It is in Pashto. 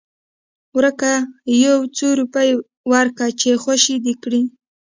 ورکه يو څو روپۍ ورکه چې خوشې دې کي.